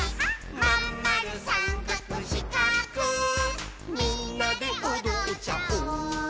「まんまるさんかくしかくみんなでおどっちゃおう」